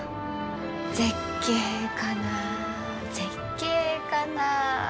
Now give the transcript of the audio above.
「絶景かな絶景かな」。